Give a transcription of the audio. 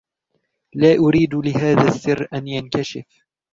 لا أريد لهذا السر أن ينكشف.